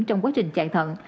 trong quá trình chạy thận